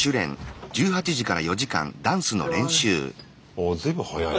おお随分早いね。